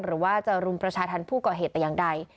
หรือว่าจะรุมประชาธรรมผู้ก่อเหตุแต่อย่างใด